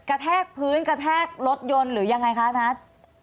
แทกพื้นกระแทกรถยนต์หรือยังไงคะนัท